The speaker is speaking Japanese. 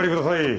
はい。